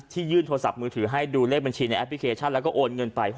ยื่นโทรศัพท์มือถือให้ดูเลขบัญชีในแอปพลิเคชันแล้วก็โอนเงินไป